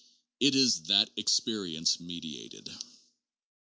It is that experience mediated.